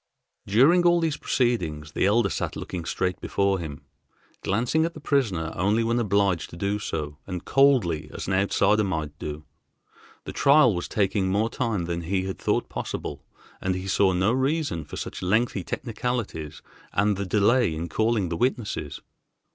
During all these proceedings the Elder sat looking straight before him, glancing at the prisoner only when obliged to do so, and coldly as an outsider might do. The trial was taking more time than he had thought possible, and he saw no reason for such lengthy technicalities and the delay in calling the witnesses.